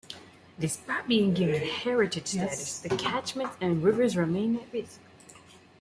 Despite being given heritage status, the catchments and rivers remain at risk.